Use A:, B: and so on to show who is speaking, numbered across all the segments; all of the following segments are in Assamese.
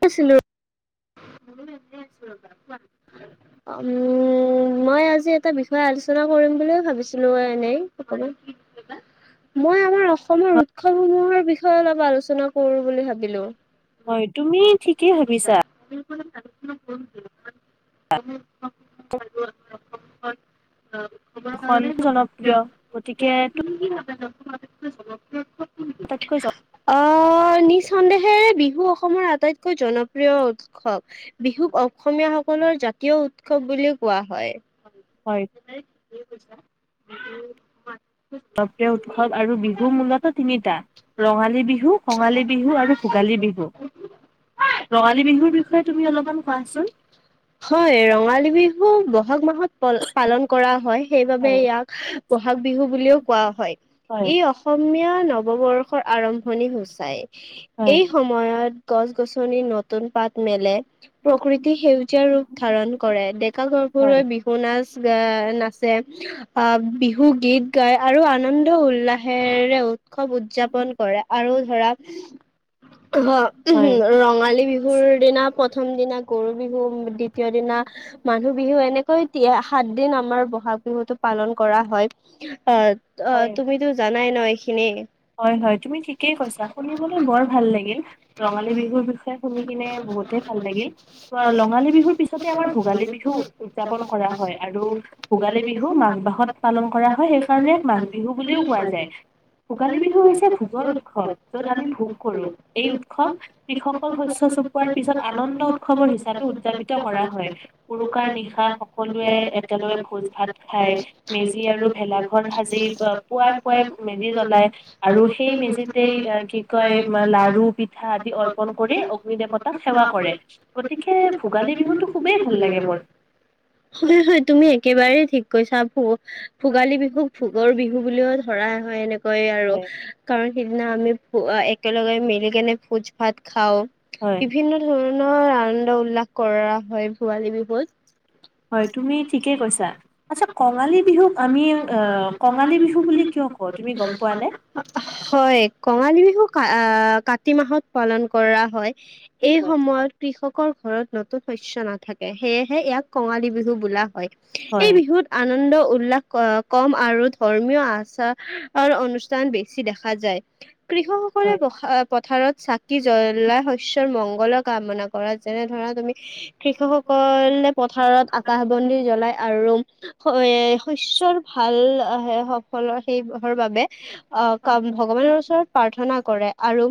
A: কৈছিলো, অ উম মই আজি এটা বিষয়ে আলোচনা কৰিম বুলি ভাবিছিলো এনেই, মই আমাৰ অস অসমৰ উৎসৱসমূহৰ বিষয়ে অলপ আলোচ কৰো বুলি ভাবিলো
B: হয়। তুমি ঠিকেই ভাবিছা।
A: [inaudible]
B: খন জনপ্ৰিয় গতিকে।
A: আটাইতকৈ জনপ্ৰিয়খন, অহ, অ নিজ সন্দেহে বিহু, অসমৰ আটাইত কৈ জনপ্ৰিয় উৎসৱ। বিহুক অসমীয়াসকলৰ জাতীয় উৎসৱ বুলি কোৱা হয়। [inaudible] এই কৈছ।
B: জনপ্ৰিয় উৎসৱ আৰু বিহু মূলত তিনিটা ৰঙালী বিহু, কঙালী বিহু আৰু ভোগালী বিহু।
A: হয় ৰঙালী বিহু বহাগ মাহত প পালন কৰা হয় সেইবাবে ইয়াক বহাগ বিহু বুলিও কোৱা হয় ই অসমীয়া নৱবৰ্ষৰ আৰম্ভণি সচাই এই সময়ত গছ গছনিৰ নতুন পাত মেলে। প্ৰকৃতি সেউজীয়া ৰূপ ধাৰণ কৰে ডেকা গাভৰুৱে বিহু নাচ। নাচে। অ' বিহু গীত গায়। আৰু আনন্দ উল্লাহেৰে উৎসৱ উদযাপন কৰে আৰু। ধৰা হ উ ৰঙালী বিহুৰ দিনা প্ৰথম দিনা গৰু বিহু দ্বিতীয় দিনা মানুহ বিহু এনেকৈতি সাত দিন আমাৰ বহাগ বিহুতটো পালন কৰা হয় আহ অ তুমিতো জানাই ন এইখিনি।
B: হয় হয় তুমি ঠিকেই কৈছা শুনিবলৈ বৰ ভাল লাগিল। ৰঙালী বিহুৰ বিষয়ে শুনি কিনে বহুতেই ভাল লাগিল ৰঙালী বিহুৰ পিছতে আমাৰ ভোগালী বিহু উ উদযাপন কৰা হয় আৰু ভোগালী বিহু মাঘ মাহত পালন কৰা হয় সেইকাৰণে ইয়াক মাঘ বিহু বুলিও কোৱা যায়। ভোগালী বিহু হৈছে ভোগৰ উৎসৱ যত আমি ভোগ কৰো এই উৎস উৎসৱ কৃষকৰ শস্য চপোৱাৰ পিছত আনন্দ উৎসৱৰ হিচাপে উদযাপিত কৰা হয় উৰুকাৰ নিশা সকলোৱে একেলগে ভোজ ভাত খাই মেজি আৰু ভেলাঘৰ সাজি পুৱাই পুৱাই মেজি জলাই আৰু সেই মেজিতেই কি কয় লাৰু পি
A: [unintelligible] গতিকে ভোগালী বিহুটো সোৱেই ভাল লাগে মোৰ। হয় হয় তুমি একেবাৰে ঠিক কৈছা পু ভোগালী বিহুক ভোগৰ বিহু বুলিও ধৰা হয় এনেকৈয়ে আৰু কাৰণ। সিদিনা আমি প একেলগে মিলি কেনে ভোজ ভাত খাও। বিভিন্ন ধৰণৰ। পুণনৰ আনন্দ উল্লাস কৰা হয় ভোগালী বিহুত। হয় কঙালী বিহু [unintelligible] হয় কঙালী বিহু আহ ক প্ৰতি মাহত পালন কৰা হয়। এই সময়ত কৃষক কৰ ঘৰত নতুন শস্য নাথাকে সেয়েহে ইয়াক কঙালী বিহু বোলা হয়। এই বিহুত আনন্দ উল্লেখ ক কম আৰু ধৰ্মীয় আ চ [unintelligible] আৰু অনুষ্ঠান বেছি। বেছি দেখা যায়। কৃষকসকলে ব পথাৰত চাকি জ্বলাই শস্যৰ মংগলৰ কামনা কৰা। যেনে ধৰা তুমি কৃষকসকলে পথাৰত আকাশ বন্তি জ্বলায় আৰু হয়। শস্যৰ ভাল আহে সফলৰ শেষ হোৱাৰ বাবে অ ক ভগৱানৰ ওচৰত প্ৰাৰ্থনা কৰে আৰু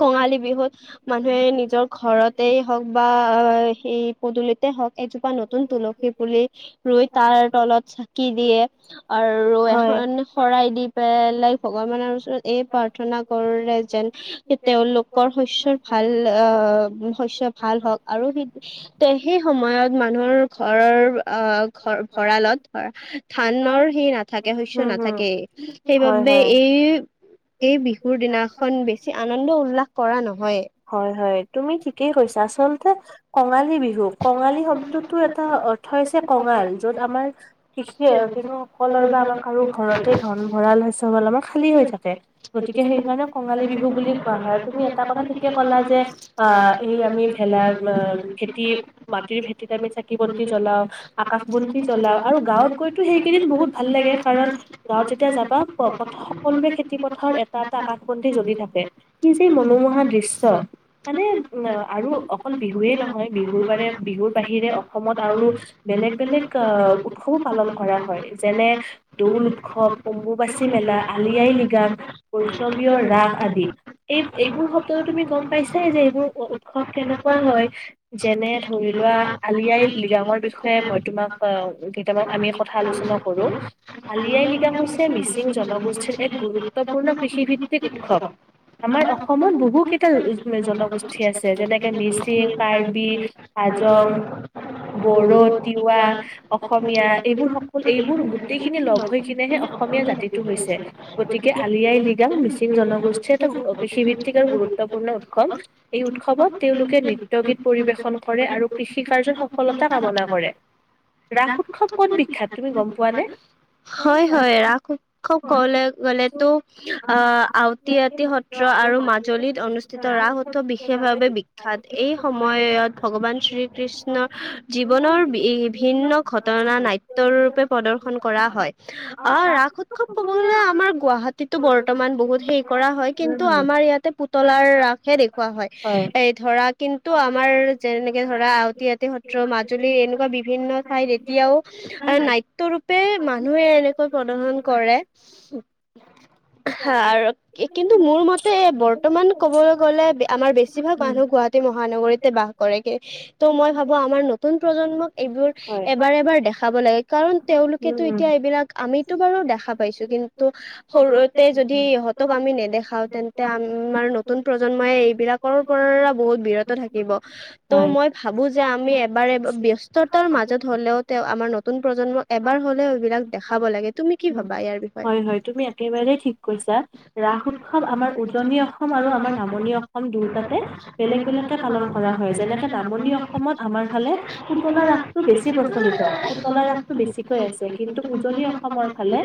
A: কঙালী বিহুত মানুহে নিজৰ ঘৰতেই হওক বা অ সেই পদূুলিতে হওক এজোপা নতুন তুলসী পুলি ৰুই তাৰ তলত চাকি দিয়ে আৰু এখন শৰাই দি পেলাই ভগৱানৰ ওচৰত এই প্ৰাৰ্থনা কৰোৰ যেন তেওঁলোকৰ শস্যৰ ভাল, শস্যৰ ভাল হওক। যেন তেওলোকৰ শস্য সেই সময়ত মানুহৰ ঘৰৰ আহ ঘৰ ভঁৰালত ধানৰ সেই নাথাকে শস্যৰ নাথাকেই, সেইবাবে এই এই বিহুৰ দিনাখন এখন বেছি আনন্দ উল্লাস কৰা নহয়।
B: হয়। হয়। তুমি ঠিকেই কৈছা আচলতে কঙালী বিহু, কঙালী শব্দতো এটা অৰ্থ হৈছে কঙাল। যত আমাৰ কৃষি কৃষকসকলৰ বা আমাৰ কাৰো ঘৰতে ধন ভঁৰাল শস্য ভঁৰাল আমাৰ খালী হৈ থাকে গতিকে সেইকাৰণে কঙালী বিহু বুলি কোৱা হয়। আৰু তুমি এটা কথা
A: এতিয়া কলা যে
B: অ এই আমি ভেলা ভেটি মাটিৰ ভেটিত আমি চাকি বন্তি জ্বলাও। আকাশ বন্তি জ্বলাও। আৰু গাঁৱত গৈ টো সেইকেইদিন বহুত ভাল লাগে কাৰণ গাঁৱত যেতিয়া যাবা সকলোৰে খেতি পথাৰত এটা এটা আকাশ বন্তি জ্বলি থাকে। কি যে মনোমোহা দৃশ্য।
A: শস্য [unintelligible]
B: আৰু অকল বিহুৱেই নহয়। বিহুৰ বাৰে- বিহুৰ বাহিৰে অসমত আৰু বেলেগ বেলেগ অ উৎসৱ পালন কৰা হয়। যেনে দৌল উৎসৱ, অম্বুবাচী মেলা, আলি-আই -লৃগাং, বৈষ্ণৱীয় ৰাস আদি। এই এইবোৰ ট তুমি গম পাইছা যে এইবোৰ উৎসৱ কেনেকুৱা হয় যেনে ধৰি লোৱা আলি আই লৃগাঙৰ বিষয়ে মই তোমাক কেইটামান আমি কথা আলোচনা কৰো আলি আই লৃগাং হৈছে মিচিং জনগোষ্ঠীৰ এক গুৰুত্বপূৰ্ণ কৃষিভিত্তিক উৎসৱ। আমাৰ অসমত বহুত কেইটা উ [unintelligible]
A: আছে যেনেকে মিচিং, কাৰ্বি, হাজং, বড়ো, তিৱা, অসমীয়া এইবোৰ- এইবোৰ গোটেইখিনি মিলি কেনে হে মানে অসমীয়া জাতিটো হৈছে। গতিকে আলি-আই -লিগাঙ মিচিং জনগোষ্ঠী কৃষিভিত্তিক [unintelligible]
B: কোনো উৎসৱ এই উৎসৱত তেওঁলোকে নৃত্য, গীত পৰিৱেশন কৰে আৰু কৃষি কাৰ্যৰ সফলতা কামনা কৰে। ৰাস উৎসৱ ক'ত বিখ্যাত, তুমি গ'ম পোৱা নে?
A: অনুষ্ঠিত ৰাস উৎসৱ বিশেষভাৱে বিখ্যাত এই সময়ত ভগৱান শ্ৰী কৃষ্ণৰ জীৱনৰ বি বিভিন্ন ঘটনা নাট্য় ৰূপে প্ৰদৰ্শন কৰা হয় আহ ৰাস উৎসৱ কব গলে আমাৰ গুৱাহাটীতো বৰ্তমান বহুত হে কৰা হয় কিন্তু আমাৰ ইয়াতে তলাৰ ৰাস হে দেখুওৱা হয়, এই ধৰা কিন্তু আমাৰ যেনেকে ধৰা আওটি আতি সত্ৰ মাজুলী এনেকুৱা বিভিন্ন ঠাইত এতিয়াও নাট্যৰূপে মানুহে এনেকৈ প্ৰদৰ্শন কৰে হা কিন্তু মোৰ মতে বৰ্তমানটো ক'ব গলে আমাৰ বেছিভাগ মানুহ গুৱাহাটী মহানগৰীতে বাস কৰেগে ত' মই ভাবো আমাৰ নতুন প্ৰজন্মক এইবোৰ এবাৰ এবাৰ দেখাব লাগে কাৰণ তেওঁলোকেতো এতিয়া এইবিলাক আমিতো বাৰু দেখা পাইছো কিন্তু সৰুতে যদি ইহঁতক আমি নেদেখাও তেন্তে এয়া আমাৰ নতুন প্ৰজন্মই এইবিলাকৰ পৰা বহুত বিৰত থাকিব ত' মই ভাবো যে আমি এবাৰ ব্যস্ততাৰ মাজত হ'লেও তে আমাৰ নতুন প্ৰজন্মক এবাৰ হ'লেও এইবিলাক দেখাব লাগে, তুমি কি ভাবা ইয়াৰ বিষয়ে?
B: উজনি অসম আৰু আমাৰ না অসম দুয়োটাতে বেলেগ বেলেগকে পালন কৰা হয় যেনেকে নামনি অসমত আমাৰ ফালে পুতলা ৰাসটো বেছি প্ৰচলিত পুতলা ৰাসটো বেছিকৈ আছে কিন্তু উজনি অসমৰ ফালে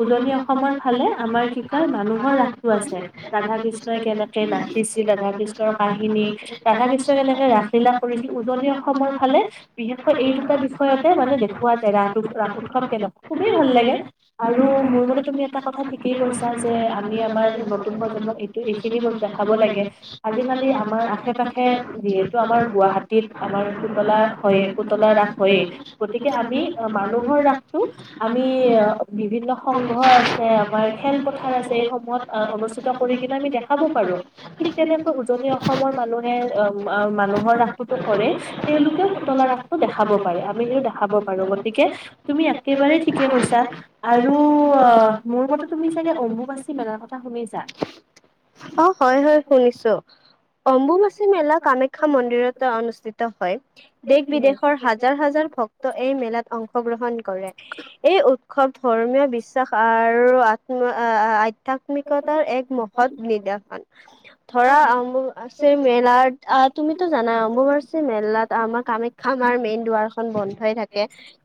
B: উজনি অসমৰ ফালে আমাৰ কি কয় মানুহৰ ৰাসটো আছে। ৰাধা কৃষ্ণই কেনেকে নাচিছিল ৰাধা কৃষ্ণৰ কাহিনী, ৰাধা কৃষ্ণ কেনেকে ৰাসলীলা কৰিছিল, উজনি অসমৰ ফালে বিশেষকৈ এই দুটা বিষয়তে মানে দেখওুৱা হয় ৰাস ৰাস উৎসৱ কেনেকা। খুবেই ভাল লাগে আৰু মোৰ মতে তুমি এটা কথা ঠিকেই কৈছা যে আমি আমাৰ এইটো এইখিনি খাব লাগে, আজিকালি আমাৰ আশে পাশে যিহেতু আমাৰ গুৱাহাটীত আমাৰ পুতলা হয় পুতলা ৰাস হয়েই, গতিকে আমি মানুহৰ ৰাসতটো আমি বিভিন্ন সংঘ আছে, আমাৰ খেলপথাৰ আছে, এইসমূহত অনু স্থিত কৰি কিনা আমি দেখাব পাৰ ৰো, ঠিক তেনেকৈ উজনি অসমৰ মানুহে মানুহৰ ৰাসটোতো কৰে, তেওঁলোকেও পুতলা ৰাসটো দেখাব পাৰে, আমিওঁ দেখাব পাৰো, গতিকে তুমি একেবাৰেই ঠিকেই কৈছা। আৰু অ' মোৰ মতে তুমি চাগে অম্বুবাচী মেলাৰ কথা শুনিছা?
A: অ' হয় হয় শুনিছো, অম্বুবাচী মেলা কামাখ্যা মন্দিৰত অনুষ্ঠিত হয়। দেশ বিদেশৰ হাজাৰ হাজাৰ ভক্ত এই মেলাত অংশগ্ৰহণ কৰে এই উৎসৱ ধৰ্মীয় বিশ্বাস আৰু আধ্যাত্মিকতাৰ এক মহৎ ধৰা অম্বুবাচী মেলাত আহ তুমিতো জানা অম্বুবাচী মেলাত আমাৰ কামাখ্যা মাৰ মেইন দুৱাৰখন বন্ধই থাকে।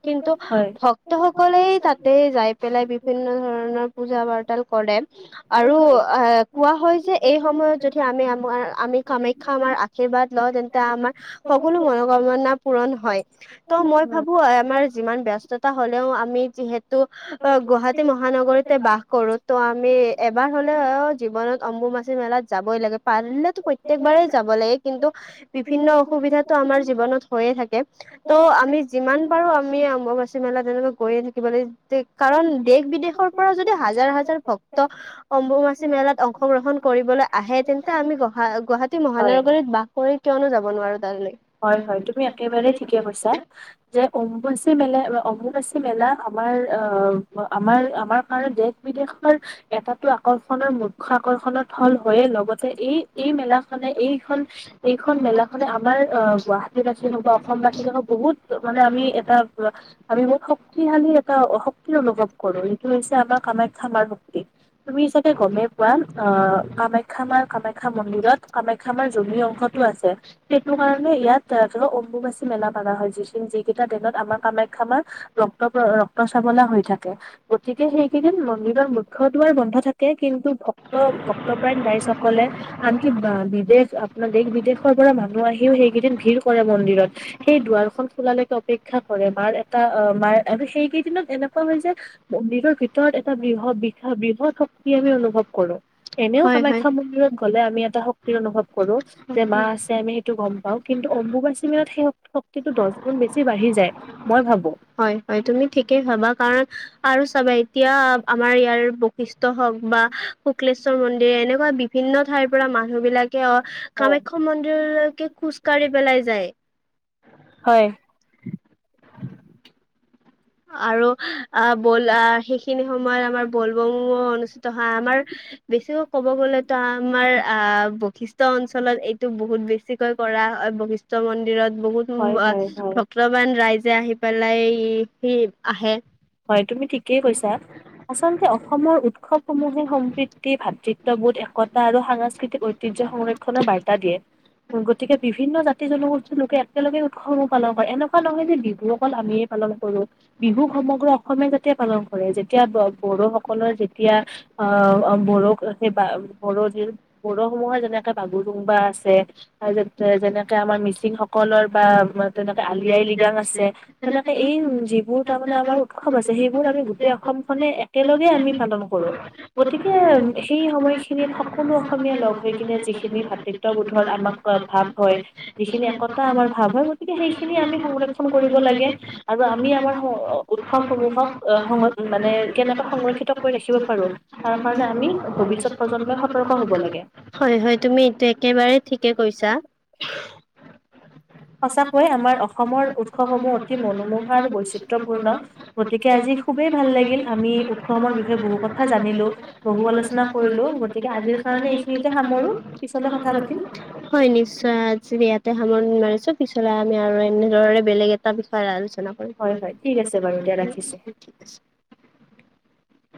A: কিন্তু ভক্তসকলে তাতে যাই পেলাই বিভিন্ন ধৰণৰ পূজা পাতল কৰে। আৰু অ' কোৱা হয় যে এই সময়ত যদি আমি আমাৰ আমি কামাখ্যা মাৰ আশীৰ্বাদ লওঁ তেন্তে আমাৰ সকলো মনোকামনা পূৰণ হয়। ত মই ভাবো আমাৰ যিমান ব্যস্ততা হ'লেও আমি যিহেতু ত' গুৱাহাটী মহানগৰীতে বাস কৰো। ত' আমি এবাৰ হলেও নত অম্বুবাচীৰ মেলাত যাবই লাগে। পাৰলেতো প্ৰত্যেকবাৰেই যাব লাগে, কিন্তু বিভিন্ন অসুবিধাটো আমাৰ জীৱনত হৈয়ে থাকে ত' আমি যিমান পাৰো আমি অম্বুবাচী মেলাত যেনেকৈ গৈয়ে থাকিব ল কাৰণ দেশ-বিদেশৰ পৰা যদি হাজাৰ হাজাৰ ভক্ত অম্বুমাচী মেলাত অংশগ্ৰহণ কৰিবলৈ আহে তেন্তে আমি গহা গুৱাহাটী মহানগৰীত বাস কৰি কিয়নো যাব নোৱাৰো
B: হয় হয় তুমি একেবাৰেই ঠিকেই কৈছা যে অম্ববাচী মেলা অম্বুবাচী মেলা আমাৰ আহ আমাৰ আমাৰ কাৰণে দেশ-বিদেশৰ এটাতো আকৰ্ষণৰ মুখ্য আকৰ্ষণৰ থল হয়ে লগতে এই এই মেলাখনে এইখন এইখন মেলাখনে আমাৰ অ গুৱাহাটীবাসী হওক বা অসমবাসী হওক বহুত মানে আমি এটা আমি বহুত শক্তিশালী এটা শক্তি অনুভৱ কৰো যিটো হৈছে আমাৰ কামাখ্যা মাৰ শক্তি তুমি চাগে গমেই কোৱা আহ কামাখ্যামাৰ কামাখ্যা মন্দিৰত কামাখ্যাামাৰ যোনি অংশটো আছে সেইটো কাৰণে ইয়াত ধৰা অম্বুবাচী মেলা পতা হয় যি যি কেইটা দিনত আমাৰ কামাখ্যামা ৰক্ত ৰক্ত চাৱলা হৈ থাকে গতিকে সেইকেইদিন মন্দিৰৰ মুখ্য দুৱাৰ বন্ধ থাকে কিন্তু শক্তপ্ৰাণ ৰাইজসকলে আনকি বা বিদেশ আপোনাৰ দেশ-বিদেশৰ পৰা মানুহ মানুহ আহিও সেইকেইদিন ভিৰ কৰে মন্দিৰত সেই দুৱাৰখন খোলালৈকে অপেক্ষা কৰে মাৰ এটা আহ মাৰ আৰু সেইকেইদিনত এনেকুৱা হয় যে মন্দিৰৰ ভিতৰত এটা বৃহৎ বৃহৎ শক্তি আমি অনুভৱ কৰো এনেও আমাখ্যা মন্দিৰত গলে আমি এটা শক্তি অনুভৱ কৰো যে মা আছে আমি
A: [unintelligible] হয় হয় তুমি ঠিকেই ভাবা কাৰণ আৰু চাবা এতিয়া আমাৰ ইয়াৰ বশি ত হওক বা শুক্লেশ্বৰ মন্দিৰ এনেকুৱা বিভিন্ন ঠাইৰ পৰা মানুহ বিলাকে অ কামাখ্যা মন্দিৰলৈকে খোজ কাঢ়ি পেলাই যায়, হয়। [inaudible] আৰু আহ বল আ সেইখিনি সময়ত আমাৰ বল বংও অনুষ্ঠিত হয় আমাৰ বেছিকৈ কব গলেতো আমাৰ আহ বশিষ্ঠ অঞ্চলত এইটো বহুত বেছিকৈ কৰা হয় বশিষ্ঠ মন্দিৰ [unintelligible] বহুত আ ভক্তৱান ৰাইজ যে আহি পেলাই এই সি, আহে
B: হয় তুমি ঠিকেই কৈছা, আচলতে অসমৰ উৎসৱসমূহে সম্প্ৰীতি, ভাতৃত্ববোধ একতা আৰু সাংস্কৃতিক ঐতিহ্য সংৰক্ষনৰ বাৰ্তা দিয়ে গতিকে বিভিন্ন জাতি জনগোষ্ঠীৰ লোকে একেলগে উৎসৱসমূহ পালন কৰে এনেকুৱা নহয় যে বিহু অকল আমিয়ে পালন কৰোঁ, বিহুক সমগ্ৰ অসমে যাতে পালন কৰে যেতিয়া বড়োসকলৰ যেতিয়া আহ বড়ো সেই বা বড়ো বড়োসমূহৰ যেনেকে বাগুৰুম্বা আছে যেনেকে আমাৰ মিচিং সকলৰ বা তেনেকে আলি আই লৃগাং আছে তেনেকে এই
A: [unintelligible]
B: আমাৰ উৎসৱ আছে সেইবোৰ আমি গোটেই অসমখনে একেলগে আমি পালন কৰো, গতিকে সেই সময়খিনিত সকলো অসমীয়া লগ হৈ কিনে যিখিনি ভাতৃত্ববোধৰ আমাক ভাৱ হয় যিখিনি একতা আমাৰ ভাৱ হয় গতিকে সেইখিনি আমি সংৰক্ষন কৰিব লাগে। আৰু আমি আমাৰ স
A: হয় হয় তুমি এইটো একেবাৰে ঠিকে কৈছা।
B: সঁচাকৈ আমাৰ অসমৰ উৎসৱসমূহ অতি মনোমোহ।
A: বৈচিতয়পূৰ্ণ গতিকে আজি খুবেই ভাল লাগিল প্ৰথৰ কথা জানিলো আলোচনা কৰিলো গতিকে আজিৰ কাৰণে এইখিনিতে সামোৰো হয় নিশ্চয় আজি ইয়াতে। [unintelligible] পিছলে আমি আৰু এনে ৰে বেলেগ এটা বিষয় আ না কৰিম হয় ঠিক আছে বাৰু দিয়া ৰাখিছোঁ।